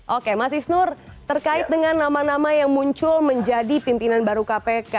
oke mas isnur terkait dengan nama nama yang muncul menjadi pimpinan baru kpk